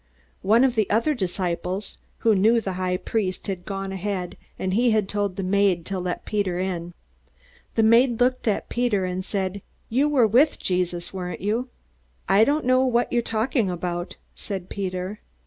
One of the other disciples, who knew the high priest, had gone ahead, and he had told the maid to let Peter in. The maid looked at Peter and said, "You were with Jesus, weren't you?" "I don't know what you're talking about," said Peter.